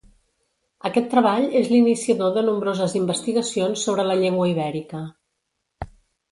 Aquest treball és l'iniciador de nombroses investigacions sobre la llengua ibèrica.